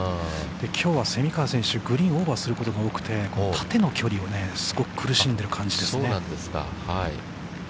きょうは蝉川選手、グリーンオーバーすることが多くて、縦の距離をすごく苦しんでる感じですね。